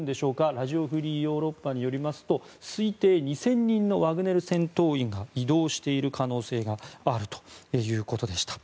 ラジオ・フリー・ヨーロッパによりますと推定２０００人のワグネル戦闘員が移動している可能性があるということでした。